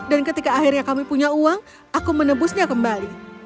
ketika akhirnya kami punya uang aku menebusnya kembali